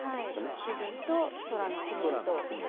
部分と空の曇りと花と。